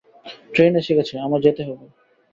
Train এসে গেছে, আমায় যেতে হবে।